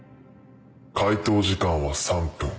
回答時間は３分。